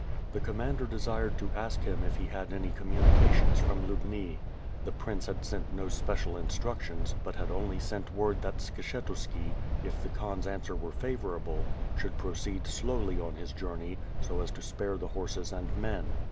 The Commander de sired to ask him if he had any communications from Lubni. The Prince had sent no special instructions, but had only sent word that Skshetuski, if the Khan's answer were favor able, should proceed slowly on his journey, so as to spare the horses and men.